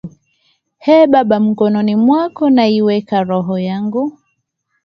Ee Baba mikononi mwako naiweka roho yangu